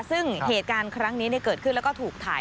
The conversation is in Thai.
ซึ่งเหตุการณ์ครั้งนี้เกิดขึ้นแล้วก็ถูกถ่าย